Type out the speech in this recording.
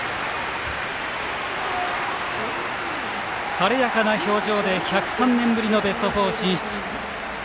晴れやかな表情で１０３年ぶりのベスト４進出。